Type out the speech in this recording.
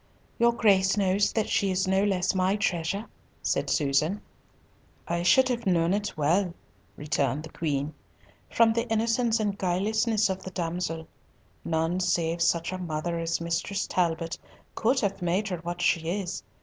"Your Grace knows that she is no less my treasure," said Susan. "I should have known it well," returned the Queen, "from the innocence and guilelessness of the damsel. None save such a mother as Mistress Talbot could have made her what she is.